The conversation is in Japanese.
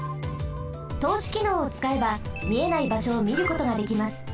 とうしきのうをつかえばみえないばしょをみることができます。